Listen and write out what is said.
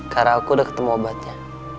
karena aku udah ketemu obatnya